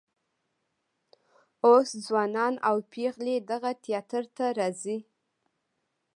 اوس ځوانان او پیغلې دغه تیاتر ته راځي.